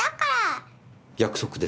約束ですか？